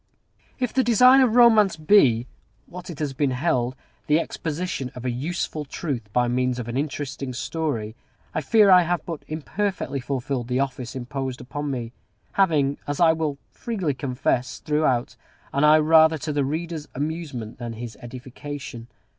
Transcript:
If the design of Romance be, what it has been held, the exposition of a useful truth by means of an interesting story, I fear I have but imperfectly fulfilled the office imposed upon me; having, as I will freely confess, had, throughout, an eye rather to the reader's amusement than his edification.